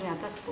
menurut ttp kan